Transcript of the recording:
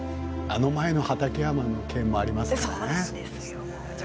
あの前の畠山の件もありますしね。